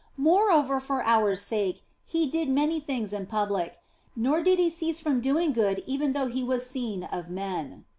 Moreover, for our sake He did many things in public, nor did He cease from doing good even though He was seen of men.